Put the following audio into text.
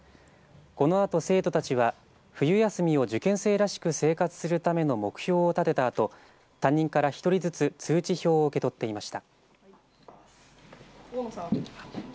このあと、生徒たちは冬休みを受験生らしく生活するための目標を立てたあと担任から１人ずつ通知表を受け取っていました。